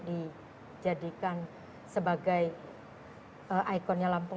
dijadikan sebagai ikonnya lampung